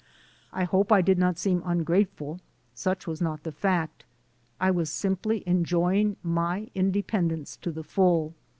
I hope I did not seem un grateful; such was not the fact. I was simply en joying my independence to the full.